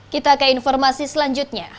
kita ke informasi selanjutnya